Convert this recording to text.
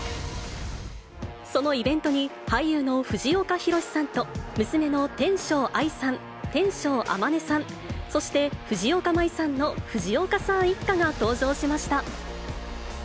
そのイベントに俳優の藤岡弘、さんと、娘の天翔愛さん、天翔天音さん、そして藤岡舞衣さんの、藤岡さん一家が登場しました。